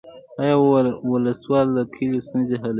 آیا ولسوال د کلیو ستونزې حلوي؟